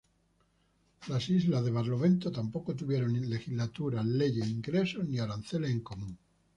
Las islas de Barlovento tampoco tuvieron legislaturas, leyes, ingresos ni aranceles en común.